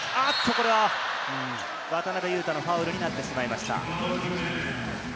これは、渡邊雄太のファウルになってしまいました。